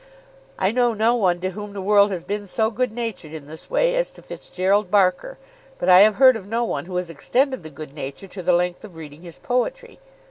I know no one to whom the world has been so good natured in this way as to Fitzgerald Barker, but I have heard of no one who has extended the good nature to the length of reading his poetry.